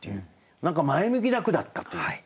何か前向きな句だったという。